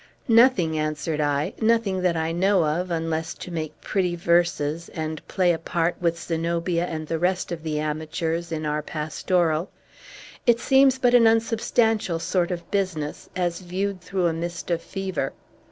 "Nothing," answered I; "nothing that I know of, unless to make pretty verses, and play a part, with Zenobia and the rest of the amateurs, in our pastoral. It seems but an unsubstantial sort of business, as viewed through a mist of fever.